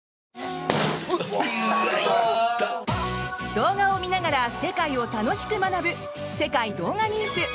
動画を見ながら世界を楽しく学ぶ「世界動画ニュース」。